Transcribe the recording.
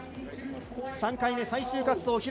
３回目、最終滑走。